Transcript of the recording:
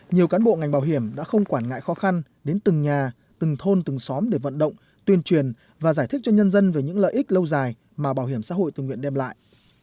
nhiều cán bộ ngành bảo hiểm đã không quản ngại khó khăn đến từng nhà từng thôn từng xóm để vận động tuyên truyền và giải thích cho nhân dân về những lợi ích lâu dài mà bảo hiểm xã hội tự nguyện đem lại